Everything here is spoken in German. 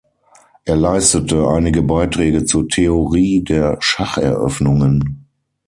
Er leistete einige Beiträge zur Theorie der Schacheröffnungen.